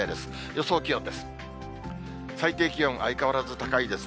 予想気温です。